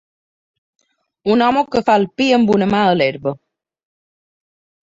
Un home que fa el pi amb una ma a l'herba.